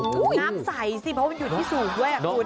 น้ำใสสิเพราะมันอยู่ที่สูงด้วยคุณ